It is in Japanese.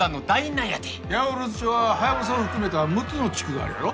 八百万町はハヤブサを含めた６つの地区があるやろ。